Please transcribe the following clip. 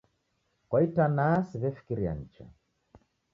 Kwa itanaa siw'efikiria nicha